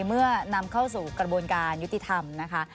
เมื่อนำเข้าสู่กระบวนการยุติธรรมนะคะ